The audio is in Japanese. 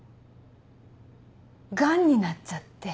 ガンになっちゃって。